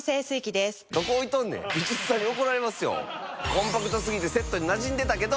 コンパクト過ぎてセットになじんでたけど！